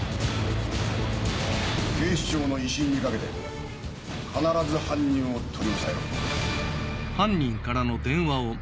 警視庁の威信にかけて必ず犯人を取り押さえろ！